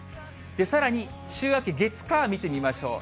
さらに、週明け月、火、見てみましょう。